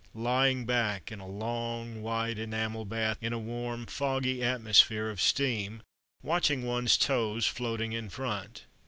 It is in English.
lying back in a long white enamel bath in a warm foggy atmosphere of steam, watching one's toes floating in front.